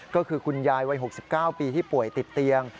ก็คือคุณยายวัย๖๙ปีที่ป่วยติดเตียง